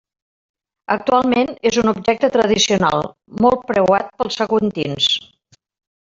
Actualment és un objecte tradicional, molt preuat pels saguntins.